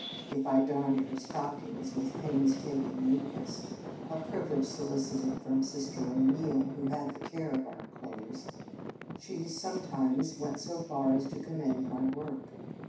If I darned her stockings with painstaking neat ness, a privilege solicited from Sister O Neil, who had the care of our clothes, she sometimes went so far as to commend my work.